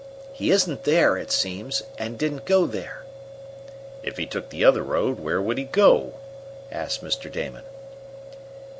He isn't there, it seems, and didn't go there." "If he took the other road, where would he go?" asked Mr. Damon.